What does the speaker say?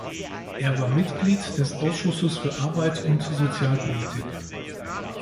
Er war Mitglied des Ausschusses für Arbeit und Sozialpolitik.